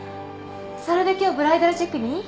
それで今日ブライダルチェックに？